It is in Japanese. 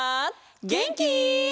げんき？